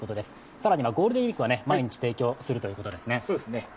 更にゴールデンウイークは毎日提供するということですね。